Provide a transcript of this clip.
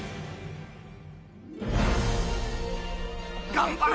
頑張れ！